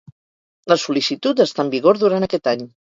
La sol·licitud està en vigor durant aquest any.